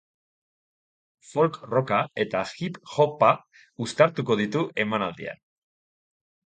Folk-rocka eta hip-hopa uztartuko ditu emanaldian.